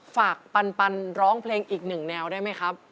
ปันร้องเพลงอีกหนึ่งแนวได้ไหมครับ